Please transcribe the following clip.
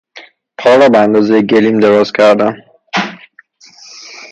پا را به اندازهٔ گلیم دراز کردن